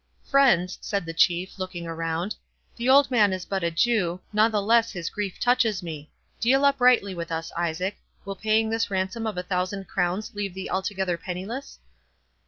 "Friends," said the Chief, looking round, "the old man is but a Jew, natheless his grief touches me.—Deal uprightly with us, Isaac—will paying this ransom of a thousand crowns leave thee altogether penniless?"